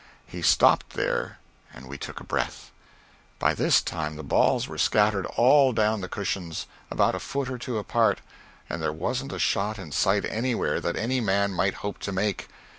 He stopped there, and we took a breath. By this time the balls were scattered all down the cushions, about a foot or two apart, and there wasn't a shot in sight anywhere that any man might hope to make.